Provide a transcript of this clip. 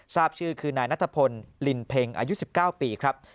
ทราบชื่อคือนายนัทพลลินเพ็งอายุ๑๙ปีครับ